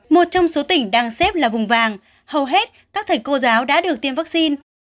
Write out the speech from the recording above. một trong số tỉnh đang xếp là vùng vàng hầu hết các thầy cô giáo đã được tiêm vaccine